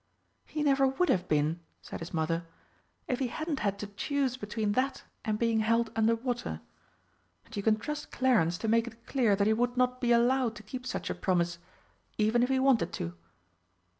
"He never would have been," said his mother, "if he hadn't had to choose between that and being held under water. And you can trust Clarence to make it clear that he would not be allowed to keep such a promise, even if he wanted to."